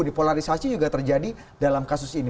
dipolarisasi juga terjadi dalam kasus ini